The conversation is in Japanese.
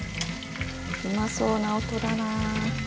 うまそうな音だな。